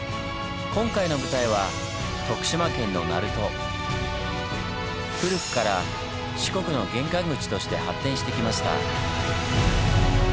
今回の舞台は古くから四国の玄関口として発展してきました。